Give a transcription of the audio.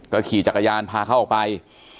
ขี่จักรยานพาเขาออกไป